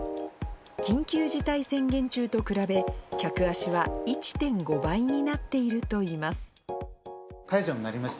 緊急事態宣言中と比べ、客足は１．５倍になっているといいます。